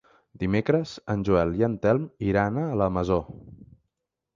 Dimecres en Joel i en Telm iran a la Masó.